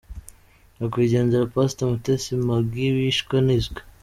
Nyakwigendera Pastor Mutesi Maggie wishwe anizwe